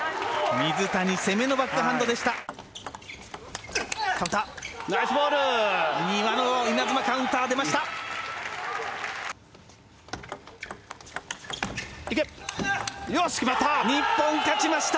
水谷、攻めのバックハンドでした。